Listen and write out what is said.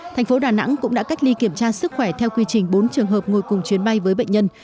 thành phố đà nẵng cũng đã cách ly kiểm tra sức khỏe theo quy trình bốn trường hợp ngồi cùng chuyến bay với bệnh nhân